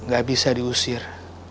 gak bisa diusir